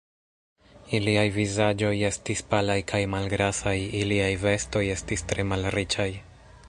Iliaj vizaĝoj estis palaj kaj malgrasaj, iliaj vestoj estis tre malriĉaj.